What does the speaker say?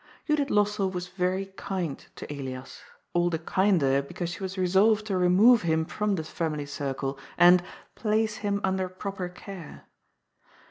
Judith Lossell was very kind to Elias, all the kinder be cause she was resolved to remove him from the family circle, and *' place him under proper care."